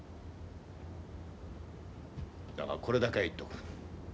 だがこれだけは言っとく。